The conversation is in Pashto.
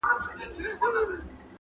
تاریخ له تېروتنو زده کړه ده